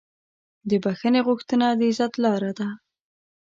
د بښنې غوښتنه د عزت لاره ده.